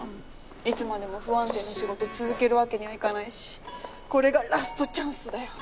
いつまでも不安定な仕事続けるわけにはいかないしこれがラストチャンスだよ。